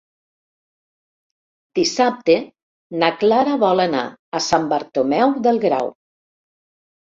Dissabte na Clara vol anar a Sant Bartomeu del Grau.